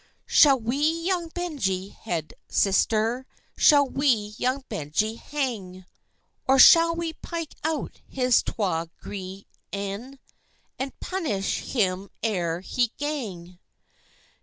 "Shall we young Benjie head, sister? Shall we young Benjie hang? Or shall we pike out his twa gray een, And punish him ere he gang?"